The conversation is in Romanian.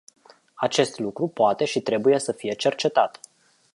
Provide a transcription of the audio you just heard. Acest lucru poate și trebuie să fie cercetat.